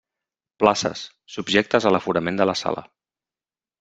Places: subjectes a l'aforament de la sala.